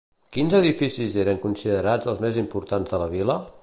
Quins edificis eren considerats els més importants de la vila?